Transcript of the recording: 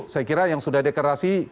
saya kira yang sudah deklarasi